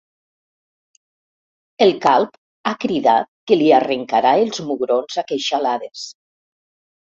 El calb ha cridat que li arrencarà els mugrons a queixalades.